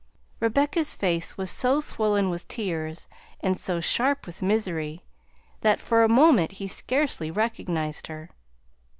Rebecca's face was so swollen with tears and so sharp with misery that for a moment he scarcely recognized her.